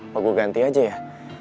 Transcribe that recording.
mau gue ganti aja ya